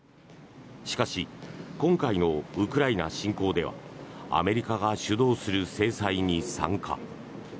しかし今回のウクライナ侵攻ではアメリカが主導する制裁に参加。